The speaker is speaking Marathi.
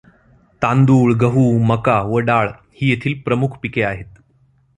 तांदूळ, गहू, मका व डाळ ही येथील प्रमुख पिके आहेत.